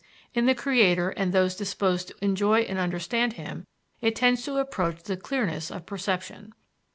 in the creator and those disposed to enjoy and understand him it tends to approach the clearness of perception.